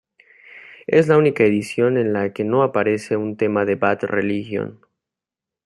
Es la única edición en la que no aparece un tema de Bad Religion.